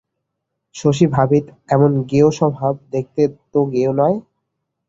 শশী ভাবিদ এমন গেঁয়ো স্বভাব, দেখতে তো গেঁয়ো নয়!